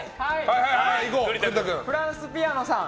フランスピアノさん。